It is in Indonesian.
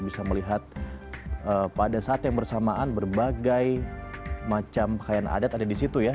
bisa melihat pada saat yang bersamaan berbagai macam kain adat ada di situ ya